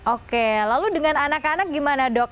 oke lalu dengan anak anak gimana dok